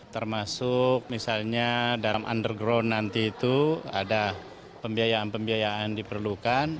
termasuk misalnya dalam underground nanti itu ada pembiayaan pembiayaan diperlukan